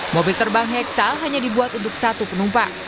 mobil terbang heksa hanya dibuat untuk satu penumpang